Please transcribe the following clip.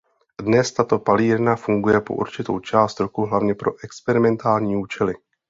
Dnes tato palírna funguje po určitou část roku hlavně pro experimentální účely.